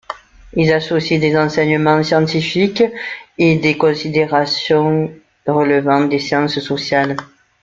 Ils associent des enseignements scientifiques et des considérations relevant des sciences sociales.